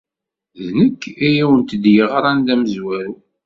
D nekk ay awent-d-yeɣran d amezwaru.